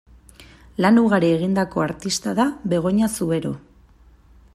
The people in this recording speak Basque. Lan ugari egindako artista da Begoña Zubero.